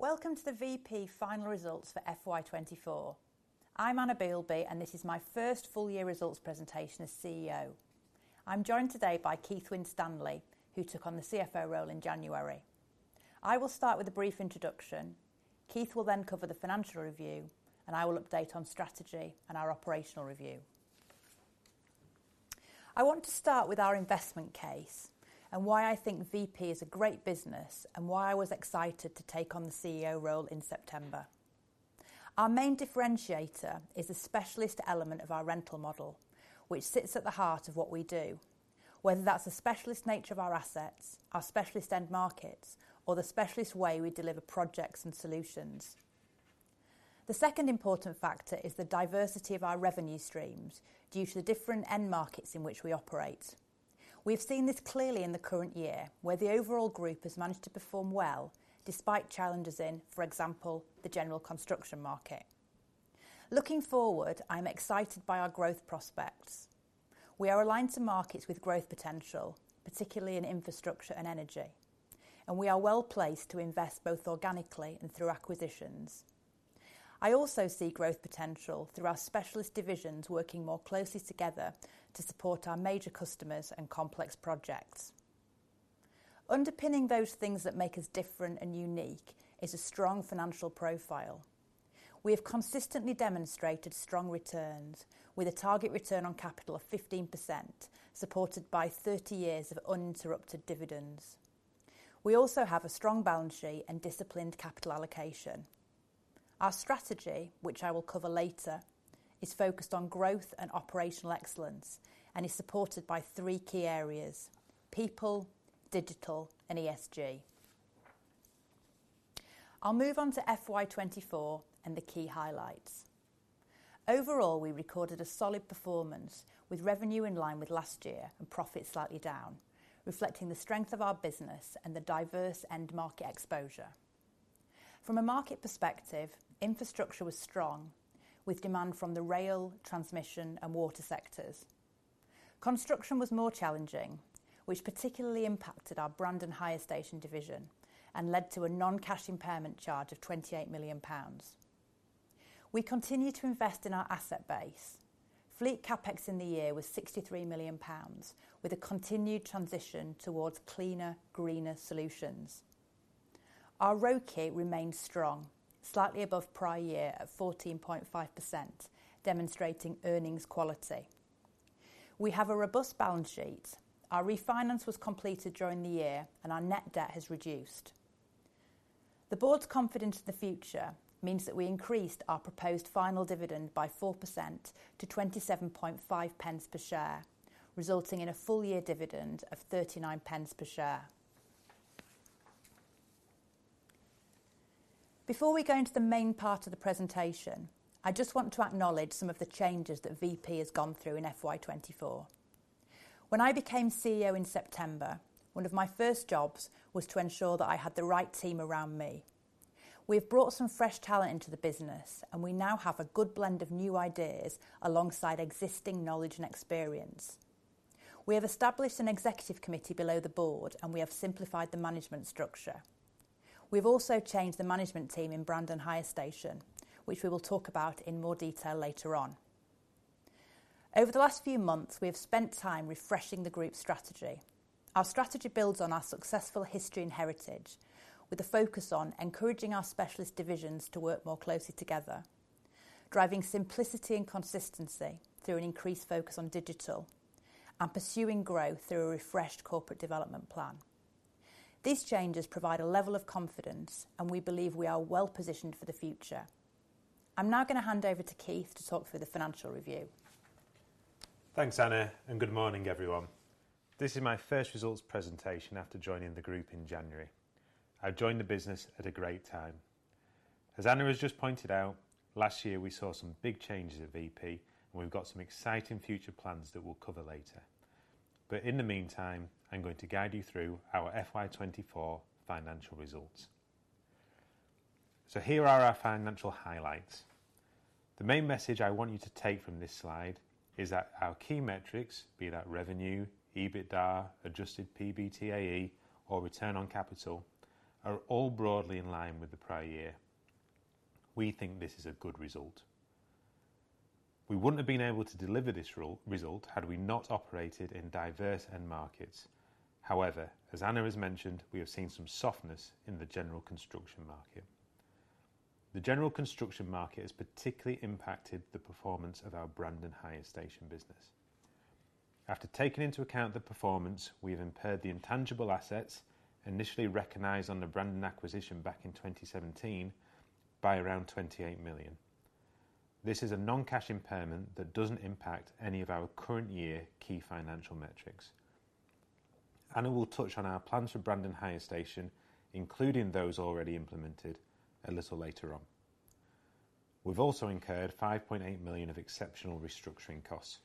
Welcome to the Vp Final Results for FY 2024. I'm Anna Bielby, and this is my first full year results presentation as CEO. I'm joined today by Keith Winstanley, who took on the CFO role in January. I will start with a brief introduction. Keith will then cover the financial review, and I will update on strategy and our operational review. I want to start with our investment case and why I think Vp is a great business and why I was excited to take on the CEO role in September. Our main differentiator is the specialist element of our rental model, which sits at the heart of what we do, whether that's the specialist nature of our assets, our specialist end markets, or the specialist way we deliver projects and solutions. The second important factor is the diversity of our revenue streams due to the different end markets in which we operate. We've seen this clearly in the current year, where the overall group has managed to perform well despite challenges in, for example, the general construction market. Looking forward, I'm excited by our growth prospects. We are aligned to markets with growth potential, particularly in infrastructure and energy, and we are well placed to invest both organically and through acquisitions. I also see growth potential through our specialist divisions working more closely together to support our major customers and complex projects. Underpinning those things that make us different and unique is a strong financial profile. We have consistently demonstrated strong returns with a target return on capital of 15%, supported by 30 years of uninterrupted dividends. We also have a strong balance sheet and disciplined capital allocation. Our strategy, which I will cover later, is focused on growth and operational excellence and is supported by three key areas: people, digital, and ESG. I'll move on to FY 2024 and the key highlights. Overall, we recorded a solid performance with revenue in line with last year and profit slightly down, reflecting the strength of our business and the diverse end market exposure. From a market perspective, infrastructure was strong, with demand from the rail, transmission, and water sectors. Construction was more challenging, which particularly impacted our Brandon Hire Station division and led to a non-cash impairment charge of 28 million pounds. We continue to invest in our asset base. Fleet CapEx in the year was 63 million pounds, with a continued transition towards cleaner, greener solutions. Our ROACE remains strong, slightly above prior year at 14.5%, demonstrating earnings quality. We have a robust balance sheet. Our refinance was completed during the year, and our net debt has reduced. The Board's confidence in the future means that we increased our proposed final dividend by 4% to 0.275 per share, resulting in a full year dividend of 0.39 per share. Before we go into the main part of the presentation, I just want to acknowledge some of the changes that Vp has gone through in FY 2024. When I became CEO in September, one of my first jobs was to ensure that I had the right team around me. We've brought some fresh talent into the business, and we now have a good blend of new ideas alongside existing knowledge and experience. We have established an executive committee below the Board, and we have simplified the management structure. We've also changed the management team in Brandon Hire Station, which we will talk about in more detail later on. Over the last few months, we have spent time refreshing the group's strategy. Our strategy builds on our successful history and heritage, with a focus on encouraging our specialist divisions to work more closely together, driving simplicity and consistency through an increased focus on digital, and pursuing growth through a refreshed corporate development plan. These changes provide a level of confidence, and we believe we are well positioned for the future. I'm now going to hand over to Keith to talk through the financial review. Thanks, Anna, and good morning, everyone. This is my first results presentation after joining the group in January. I've joined the business at a great time. As Anna has just pointed out, last year we saw some big changes at Vp, and we've got some exciting future plans that we'll cover later. But in the meantime, I'm going to guide you through our FY 2024 financial results. So here are our financial highlights. The main message I want you to take from this slide is that our key metrics, be that revenue, EBITDA, adjusted PBTAE, or return on capital, are all broadly in line with the prior year. We think this is a good result. We wouldn't have been able to deliver this result had we not operated in diverse end markets. However, as Anna has mentioned, we have seen some softness in the general construction market. The general construction market has particularly impacted the performance of our Brandon Hire Station business. After taking into account the performance, we have impaired the intangible assets initially recognized on the Brandon acquisition back in 2017 by around 28 million. This is a non-cash impairment that doesn't impact any of our current year key financial metrics. Anna will touch on our plans for Brandon Hire Station, including those already implemented, a little later on. We've also incurred 5.8 million of exceptional restructuring costs.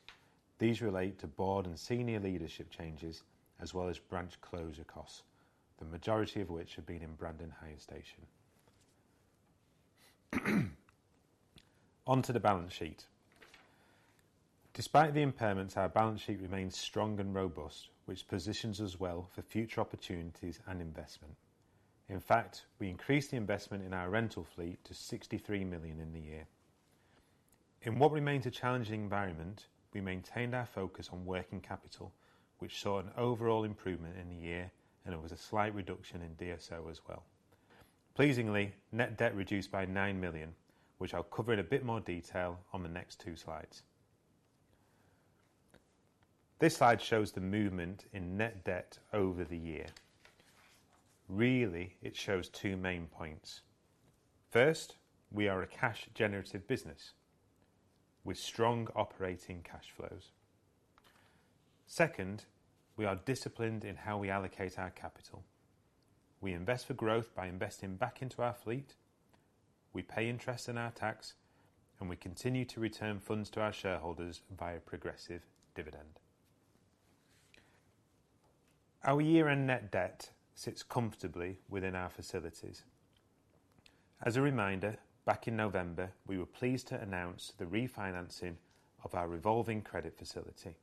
These relate to Board and senior leadership changes, as well as branch closure costs, the majority of which have been in Brandon Hire Station. Onto the balance sheet. Despite the impairments, our balance sheet remains strong and robust, which positions us well for future opportunities and investment. In fact, we increased the investment in our rental fleet to 63 million in the year. In what remains a challenging environment, we maintained our focus on working capital, which saw an overall improvement in the year, and there was a slight reduction in DSO as well. Pleasingly, net debt reduced by 9 million, which I'll cover in a bit more detail on the next two slides. This slide shows the movement in net debt over the year. Really, it shows two main points. First, we are a cash generative business with strong operating cash flows. Second, we are disciplined in how we allocate our capital. We invest for growth by investing back into our fleet, we pay interest in our tax, and we continue to return funds to our shareholders via progressive dividend. Our year-end net debt sits comfortably within our facilities. As a reminder, back in November, we were pleased to announce the refinancing of our revolving credit facility.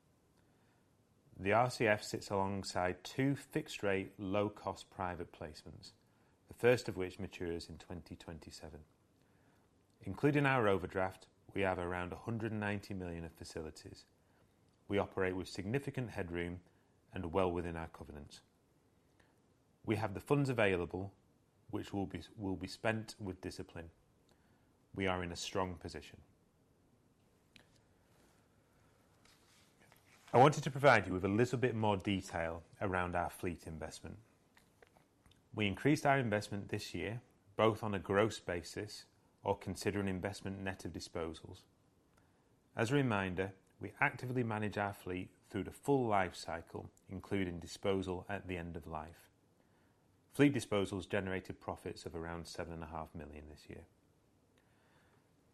The RCF sits alongside two fixed rate, low-cost private placements, the first of which matures in 2027. Including our overdraft, we have around 190 million of facilities. We operate with significant headroom and well within our covenants. We have the funds available, which will be, will be spent with discipline. We are in a strong position. I wanted to provide you with a little bit more detail around our fleet investment. We increased our investment this year, both on a gross basis or considering investment net of disposals. As a reminder, we actively manage our fleet through the full life cycle, including disposal at the end of life. Fleet disposals generated profits of around 7.5 million this year.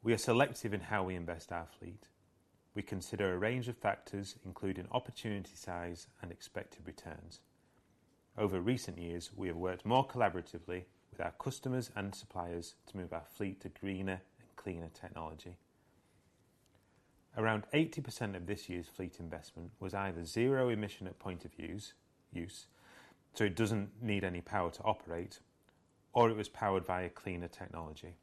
We are selective in how we invest our fleet. We consider a range of factors, including opportunity size and expected returns. Over recent years, we have worked more collaboratively with our customers and suppliers to move our fleet to greener and cleaner technology. Around 80% of this year's fleet investment was either zero emission at point of use, so it doesn't need any power to operate, or it was powered by a cleaner technology.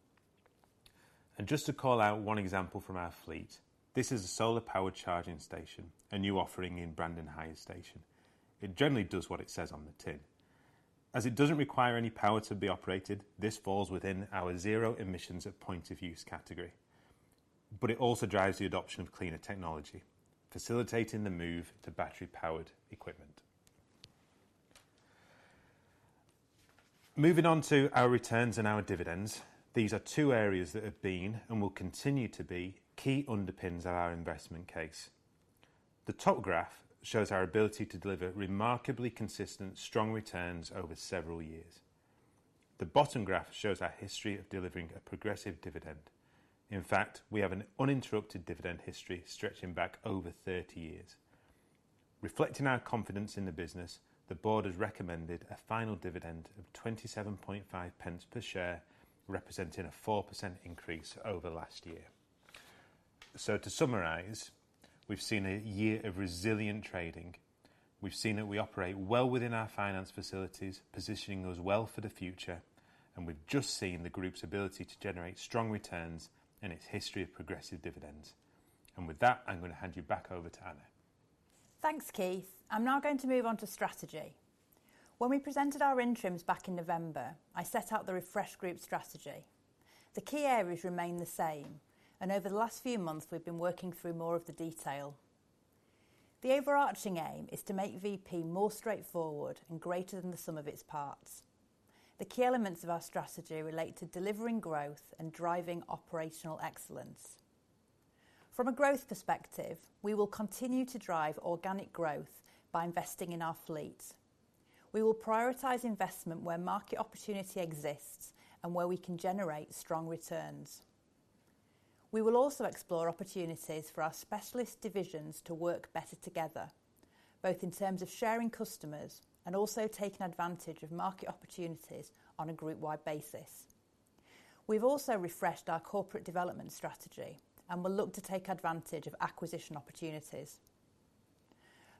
Just to call out one example from our fleet, this is a solar-powered charging station, a new offering in Brandon Hire Station. It generally does what it says on the tin. As it doesn't require any power to be operated, this falls within our zero emissions at point of use category, but it also drives the adoption of cleaner technology, facilitating the move to battery-powered equipment. Moving on to our returns and our dividends, these are two areas that have been and will continue to be key underpins of our investment case. The top graph shows our ability to deliver remarkably consistent, strong returns over several years. The bottom graph shows our history of delivering a progressive dividend. In fact, we have an uninterrupted dividend history stretching back over 30 years. Reflecting our confidence in the business, the Board has recommended a final dividend of 0.275 per share, representing a 4% increase over last year. So to summarize, we've seen a year of resilient trading. We've seen that we operate well within our finance facilities, positioning us well for the future, and we've just seen the group's ability to generate strong returns and its history of progressive dividends. And with that, I'm going to hand you back over to Anna. Thanks, Keith. I'm now going to move on to strategy. When we presented our interims back in November, I set out the refresh group strategy. The key areas remain the same, and over the last few months, we've been working through more of the detail. The overarching aim is to make Vp more straightforward and greater than the sum of its parts. The key elements of our strategy relate to delivering growth and driving operational excellence. From a growth perspective, we will continue to drive organic growth by investing in our fleet. We will prioritize investment where market opportunity exists and where we can generate strong returns. We will also explore opportunities for our specialist divisions to work better together, both in terms of sharing customers and also taking advantage of market opportunities on a group-wide basis. We've also refreshed our corporate development strategy and will look to take advantage of acquisition opportunities.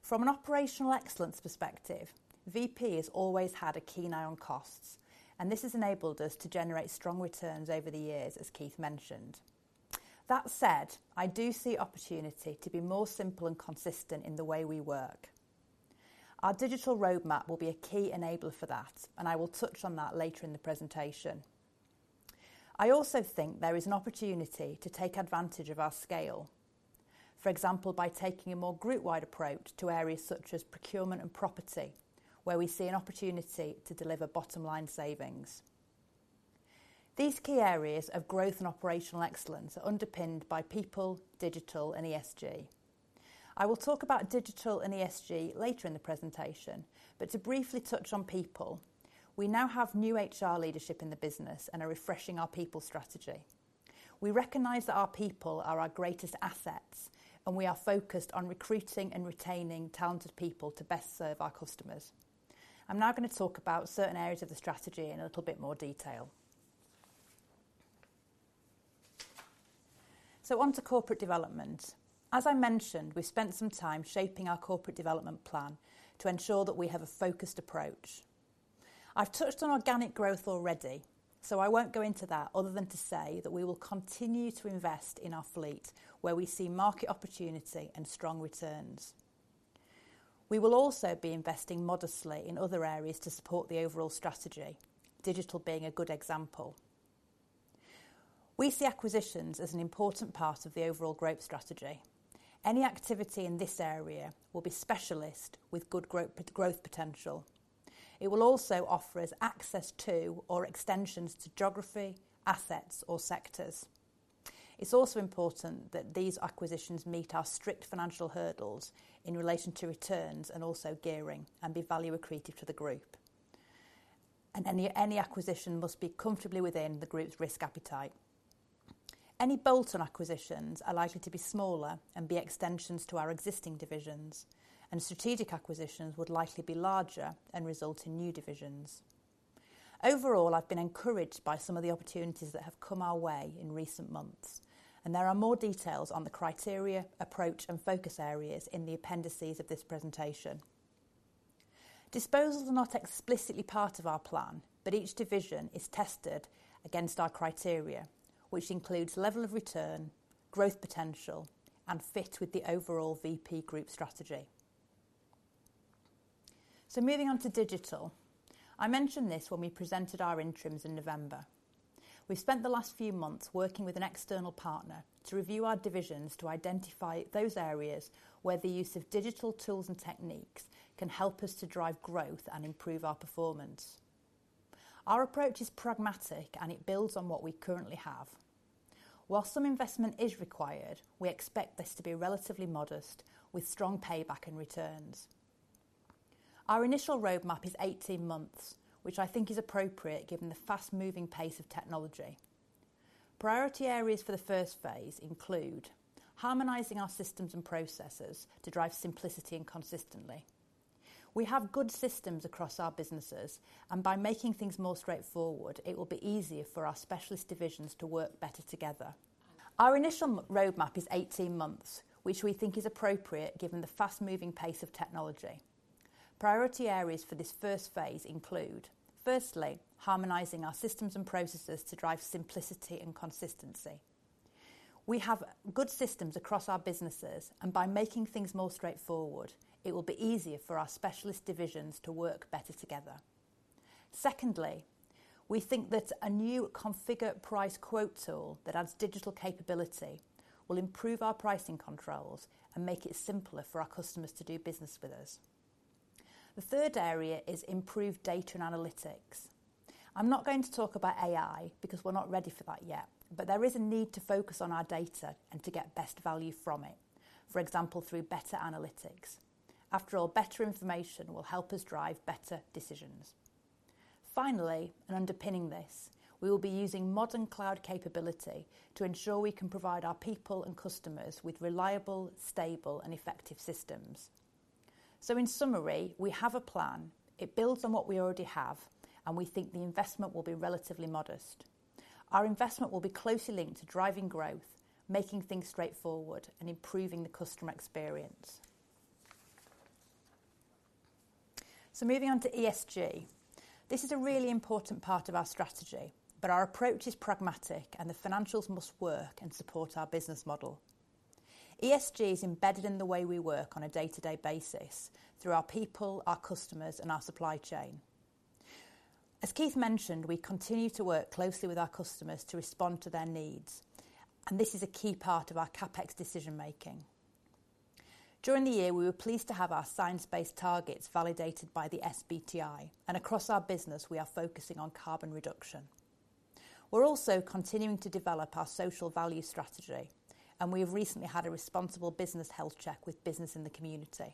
From an operational excellence perspective, Vp has always had a keen eye on costs, and this has enabled us to generate strong returns over the years, as Keith mentioned. That said, I do see opportunity to be more simple and consistent in the way we work. Our digital roadmap will be a key enabler for that, and I will touch on that later in the presentation. I also think there is an opportunity to take advantage of our scale. For example, by taking a more group-wide approach to areas such as procurement and property, where we see an opportunity to deliver bottom-line savings. These key areas of growth and operational excellence are underpinned by people, digital, and ESG. I will talk about digital and ESG later in the presentation, but to briefly touch on people, we now have new HR leadership in the business and are refreshing our people strategy. We recognize that our people are our greatest assets, and we are focused on recruiting and retaining talented people to best serve our customers. I'm now going to talk about certain areas of the strategy in a little bit more detail. So on to corporate development. As I mentioned, we've spent some time shaping our corporate development plan to ensure that we have a focused approach. I've touched on organic growth already, so I won't go into that, other than to say that we will continue to invest in our fleet where we see market opportunity and strong returns. We will also be investing modestly in other areas to support the overall strategy, digital being a good example. We see acquisitions as an important part of the overall growth strategy. Any activity in this area will be specialist with good growth potential. It will also offer us access to or extensions to geography, assets, or sectors. It's also important that these acquisitions meet our strict financial hurdles in relation to returns and also gearing, and be value accretive to the group, and any acquisition must be comfortably within the group's risk appetite. Any bolt-on acquisitions are likely to be smaller and be extensions to our existing divisions, and strategic acquisitions would likely be larger and result in new divisions. Overall, I've been encouraged by some of the opportunities that have come our way in recent months, and there are more details on the criteria, approach, and focus areas in the appendices of this presentation. Disposals are not explicitly part of our plan, but each division is tested against our criteria, which includes level of return, growth potential, and fit with the overall Vp Group strategy. So moving on to digital. I mentioned this when we presented our interims in November. We've spent the last few months working with an external partner to review our divisions to identify those areas where the use of digital tools and techniques can help us to drive growth and improve our performance. Our approach is pragmatic, and it builds on what we currently have. While some investment is required, we expect this to be relatively modest, with strong payback and returns. Our initial roadmap is 18 months, which I think is appropriate given the fast-moving pace of technology. Priority areas for the first phase include harmonizing our systems and processes to drive simplicity and consistency. We have good systems across our businesses, and by making things more straightforward, it will be easier for our specialist divisions to work better together. Our initial roadmap is 18 months, which we think is appropriate given the fast-moving pace of technology. Priority areas for this first phase include, firstly, harmonizing our systems and processes to drive simplicity and consistency. We have good systems across our businesses, and by making things more straightforward, it will be easier for our specialist divisions to work better together. Secondly, we think that a new Configure Price Quote tool that adds digital capability will improve our pricing controls and make it simpler for our customers to do business with us. The third area is improved data and analytics. I'm not going to talk about AI, because we're not ready for that yet, but there is a need to focus on our data and to get best value from it, for example, through data and Analytics. After all, better information will help us drive better decisions. Finally, and underpinning this, we will be using modern cloud capability to ensure we can provide our people and customers with reliable, stable, and effective systems. So in summary, we have a plan. It builds on what we already have, and we think the investment will be relatively modest. Our investment will be closely linked to driving growth, making things straightforward, and improving the customer experience. So moving on to ESG. This is a really important part of our strategy, but our approach is pragmatic, and the financials must work and support our business model. ESG is embedded in the way we work on a day-to-day basis through our people, our customers, and our supply chain. As Keith mentioned, we continue to work closely with our customers to respond to their needs, and this is a key part of our CapEx decision-making. During the year, we were pleased to have our science-based targets validated by the SBTi, and across our business, we are focusing on carbon reduction. We're also continuing to develop our social value strategy, and we have recently had a Responsible Business Healthcheck with Business in the Community.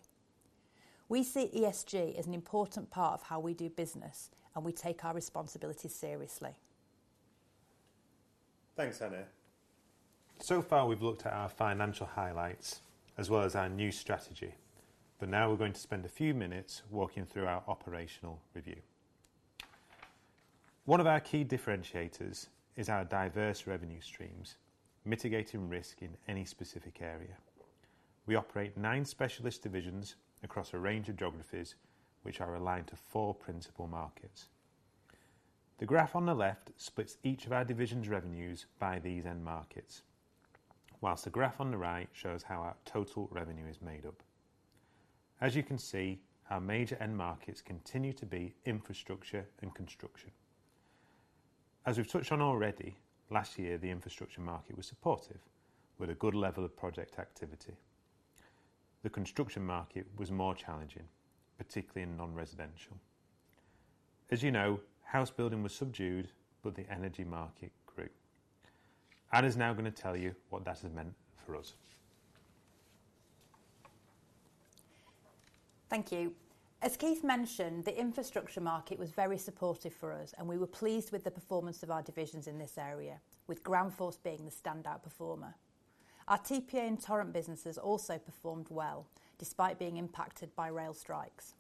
We see ESG as an important part of how we do business, and we take our responsibilities seriously. Thanks, Anna. So far, we've looked at our financial highlights as well as our new strategy, but now we're going to spend a few minutes walking through our operational review. One of our key differentiators is our diverse revenue streams, mitigating risk in any specific area. We operate nine specialist divisions across a range of geographies, which are aligned to four principal markets. The graph on the left splits each of our divisions' revenues by these end markets, while the graph on the right shows how our total revenue is made up. As you can see, our major end markets continue to be infrastructure and construction. As we've touched on already, last year, the infrastructure market was supportive, with a good level of project activity. The construction market was more challenging, particularly in non-residential. As you know, house building was subdued, but the energy market grew. Anna's now going to tell you what that has meant for us. Thank you. As Keith mentioned, the infrastructure market was very supportive for us, and we were pleased with the performance of our divisions in this area, with Groundforce being the standout performer. Our TPA and Torrent businesses also performed well, despite being impacted by rail strikes.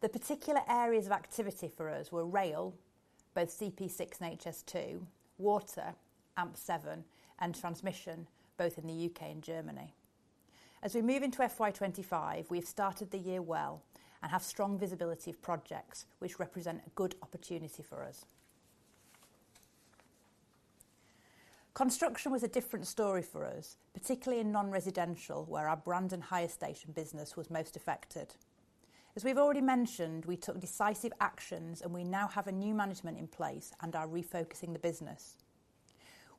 The particular areas of activity for us were rail, both CP6 and HS2, water, AMP7, and transmission, both in the U.K. and Germany. As we move into FY 2025, we have started the year well and have strong visibility of projects which represent a good opportunity for us. Construction was a different story for us, particularly in non-residential, where our Brandon Hire Station business was most affected. As we've already mentioned, we took decisive actions, and we now have a new management in place and are refocusing the business.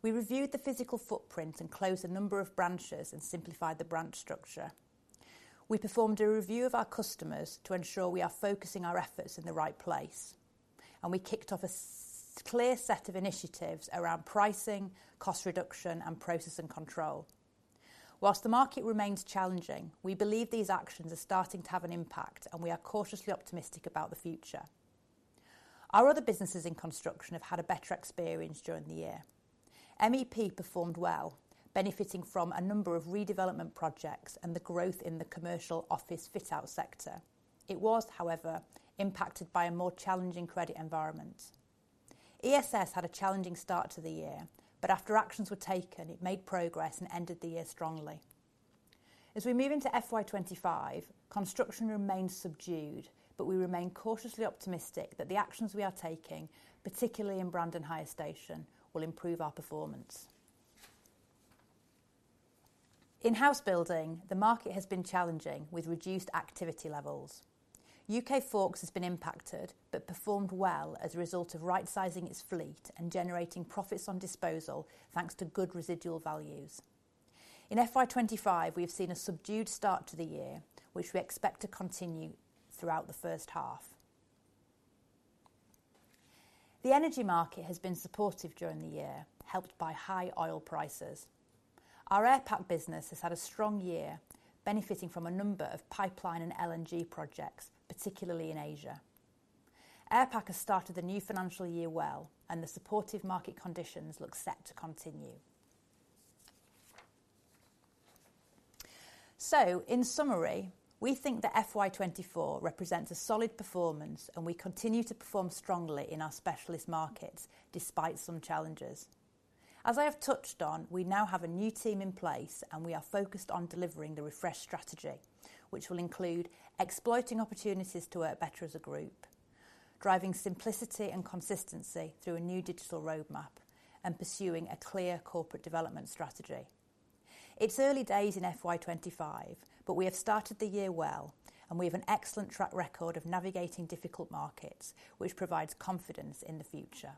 We reviewed the physical footprint and closed a number of branches and simplified the branch structure. We performed a review of our customers to ensure we are focusing our efforts in the right place, and we kicked off a clear set of initiatives around pricing, cost reduction, and process and control. While the market remains challenging, we believe these actions are starting to have an impact, and we are cautiously optimistic about the future. Our other businesses in construction have had a better experience during the year. MEP performed well, benefiting from a number of redevelopment projects and the growth in the commercial office fit-out sector. It was, however, impacted by a more challenging credit environment. ESS had a challenging start to the year, but after actions were taken, it made progress and ended the year strongly. As we move into FY 2025, construction remains subdued, but we remain cautiously optimistic that the actions we are taking, particularly in Brandon Hire Station, will improve our performance. In house building, the market has been challenging with reduced activity levels. UK Forks has been impacted but performed well as a result of right-sizing its fleet and generating profits on disposal, thanks to good residual values. In FY 2025, we have seen a subdued start to the year, which we expect to continue throughout the first half. The energy market has been supportive during the year, helped by high oil prices. Our Airpac business has had a strong year, benefiting from a number of pipeline and LNG projects, particularly in Asia. Airpac has started the new financial year well, and the supportive market conditions look set to continue. In summary, we think that FY 2024 represents a solid performance, and we continue to perform strongly in our specialist markets despite some challenges. As I have touched on, we now have a new team in place, and we are focused on delivering the refreshed strategy, which will include exploiting opportunities to work better as a group, driving simplicity and consistency through a new digital roadmap, and pursuing a clear corporate development strategy. It's early days in FY 2025, but we have started the year well, and we have an excellent track record of navigating difficult markets, which provides confidence in the future.